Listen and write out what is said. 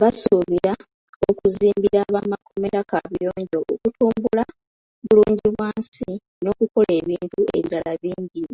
Basuubira okuzimbira ab’amakomera kaabuyonjo, okutumbula bulungibwansi n'okukola ebintu ebirala bingi.